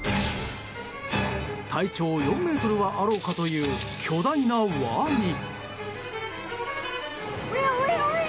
体長４ｍはあろうかという巨大なワニ。